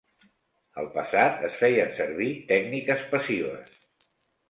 Al passat es feien servir tècniques passives.